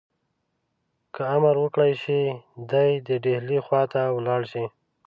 که امر وکړای شي دی دي ډهلي خواته ولاړ شي.